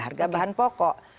harga bahan pokok